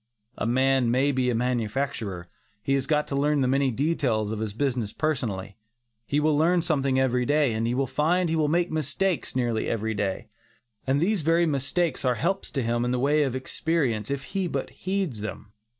A man may be a manufacturer; he has got to learn the many details of his business personally; he will learn something every day, and he will find he will make mistakes nearly every day. And these very mistakes are helps to him in the way of experiences if he but heeds them.